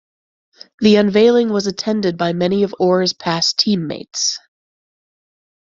The unveiling was attended by many of Orr's past teammates.